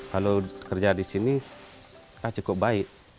kalau kerja di sini cukup baik